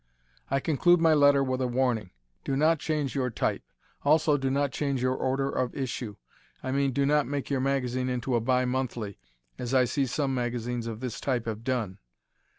I conclude my letter with a warning: do not change your type. Also do not change your order of issue; I mean, do not make your magazine into a bi monthly as I see some magazines of this type have done.